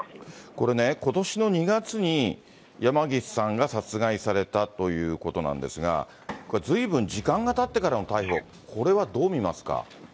これね、ことしの２月に山岸さんが殺害されたということなんですが、これ、ずいぶん時間がたってからの逮捕、これはどう見ますか。